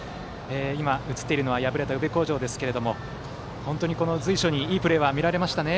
今、映っているのは敗れた宇部鴻城ですが本当に随所にいいプレーは見られましたね。